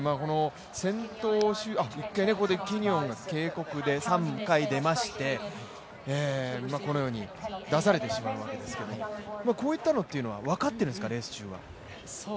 １回、キニオンが警告で３回出まして、このように出されてしまったんですけどこういったことはレース中は分かっているんですか？